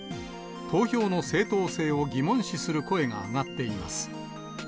投票の正当性を疑問視する声が上がっています。